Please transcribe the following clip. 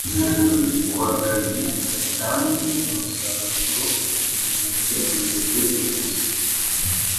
kora akazi gatange umusaruro ntuhemberwe ubusa.